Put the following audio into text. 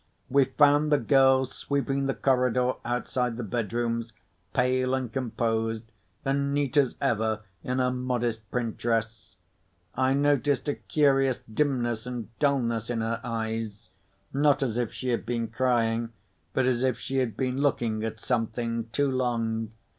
We found the girl sweeping the corridor outside the bedrooms, pale and composed, and neat as ever in her modest print dress. I noticed a curious dimness and dullness in her eyes—not as if she had been crying but as if she had been looking at something too long.